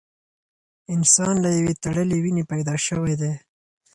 انسان له یوې تړلې وینې پیدا شوی دی.